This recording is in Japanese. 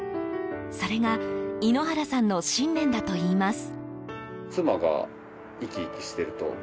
それが猪原さんの信念だといいます。